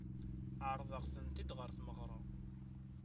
Ɛeṛḍeɣ-tent-id ɣer tmeɣṛa.